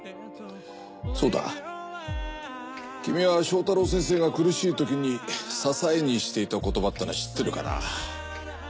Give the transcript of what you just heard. そうだ君は正太郎先生が苦しいときに支えにしていた言葉ってのは知ってるかな？